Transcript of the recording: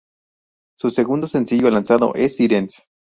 Su segundo sencillo lanzado es "Sirens".